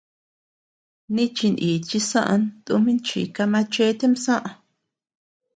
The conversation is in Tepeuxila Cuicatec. Nichi nichi soʼön tumin chika machetem soʼö.